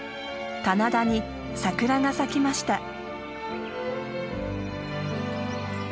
棚田に桜が咲きました。